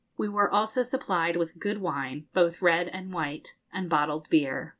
We were also supplied with good wine, both red and white, and bottled beer.